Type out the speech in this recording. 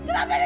mas mas ardi